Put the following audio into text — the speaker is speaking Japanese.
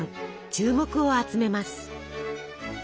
注目を集めます。